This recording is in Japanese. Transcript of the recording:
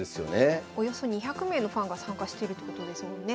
およそ２００名のファンが参加してるってことですもんね。